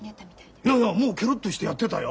いやもうケロっとしてやってたよ。